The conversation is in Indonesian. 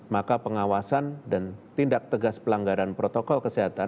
maka pengawasan dan tindak tegas pelanggaran protokol kesehatan